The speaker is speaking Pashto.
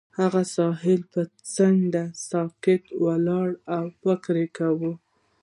هغه د ساحل پر څنډه ساکت ولاړ او فکر وکړ.